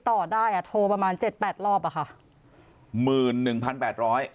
ต่อได้อ่ะโทรประมาณเจ็ดแปดรอบอ่ะค่ะหมื่นหนึ่งพันแปดร้อย